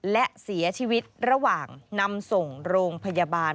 และเสียชีวิตระหว่างนำส่งโรงพยาบาล